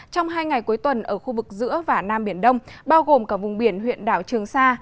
trong hai ngày cuối tuần ở khu vực giữa và nam biển đông bao gồm cả vùng biển huyện đảo trường sa